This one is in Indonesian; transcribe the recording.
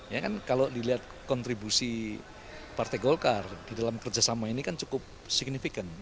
ya kan kalau dilihat kontribusi partai golkar di dalam kerjasama ini kan cukup signifikan